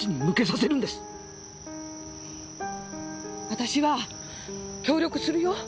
私は協力するよ？